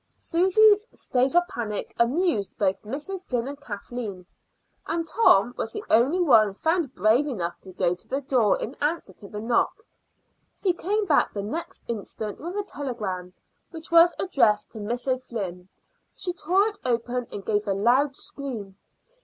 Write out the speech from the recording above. Susy's state of panic amused both Miss O'Flynn and Kathleen, and Tom was the only one found brave enough to go to the door in answer to the knock. He came back the next instant with a telegram, which was addressed to Miss O'Flynn. She tore it open, and gave a loud scream.